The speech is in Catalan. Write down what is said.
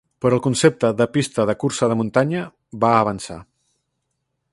Però el concepte de "pista de cursa de muntanya" va avançar.